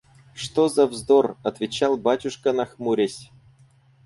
– Что за вздор! – отвечал батюшка нахмурясь.